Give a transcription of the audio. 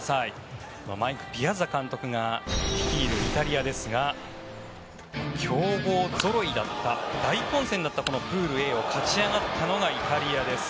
マイク・ピアザ監督が率いるイタリアですが強豪ぞろいだった大混戦だったプールＡを勝ち上がったのがイタリアです。